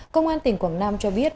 công an tỉnh quảng nam cho biết